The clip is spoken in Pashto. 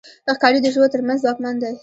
ښکاري د ژويو تر منځ ځواکمن دی.